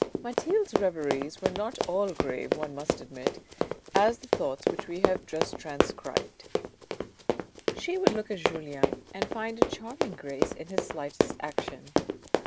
Mathilde's reveries were not all as grave, one must admit, as the thoughts which we have just transcribed 364 THE RED AND THE BLACK She would look at Julien and find a charming grace in hi slightest action.